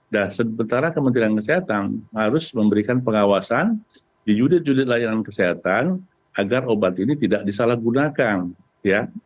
nah sementara kementerian kesehatan harus memberikan pengawasan di judit judit layanan kesehatan agar obat ini tidak disalahgunakan ya